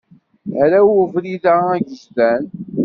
Hraw ubrid-a agejdan.